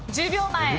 １０秒前。